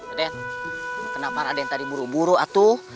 aden kenapa ada yang tadi buru buru atuh